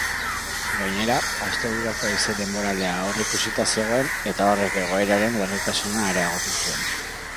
Gainera, astebururako haize denboralea aurreikusita zegoen eta horrek egoeraren larritasuna areagotu zuen.